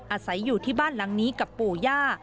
อาศัยอยู่ที่บ้านหลังนี้กับปู่ย่า